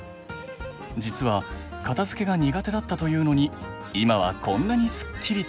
実は片づけが苦手だったというのに今はこんなにスッキリと！